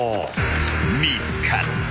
［見つかった］